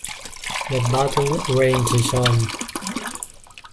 The Battle Rages On...